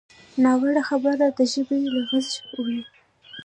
ناوړه خبره د ژبې لغزش وي